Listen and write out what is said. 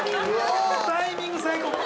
タイミング最高！